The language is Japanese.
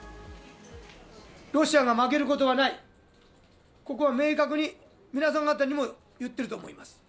ロシアが負けることはない、ここは明確に、皆さん方にも言っていると思います。